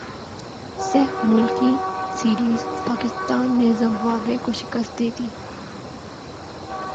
سہ ملکی سیریزپاکستان نے زمبابوے کو شکست دیدی